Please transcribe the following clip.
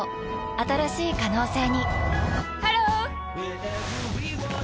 新しい可能性にハロー！